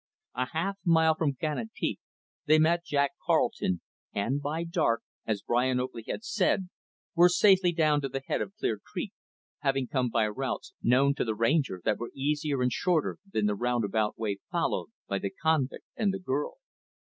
A half mile from Granite Peak, they met Jack Carleton and, by dark, as Brian Oakley had said, were safely down to the head of Clear Creek; having come by routes, known to the Ranger, that were easier and shorter than the roundabout way followed by the convict and the girl.